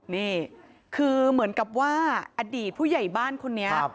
นี่คือเหมือนกับว่าอดีตผู้ใหญ่บ้านคนนี้